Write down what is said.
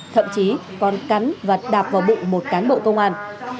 thậm chí còn cắn và đạp vào bụng một cán bộ công an